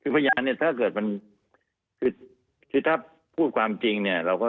พยานเนี่ยถ้าเกิดบิดถ้าพูดความจริงเนี่ยเราก็